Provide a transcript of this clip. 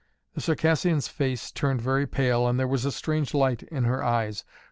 The Circassian's face turned very pale and there was a strange light in her eyes.